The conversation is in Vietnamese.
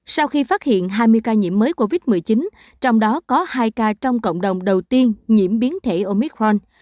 sau khi phát hiện hai mươi ca nhiễm mới covid một mươi chín trong đó có hai ca trong cộng đồng đầu tiên nhiễm biến thể omicron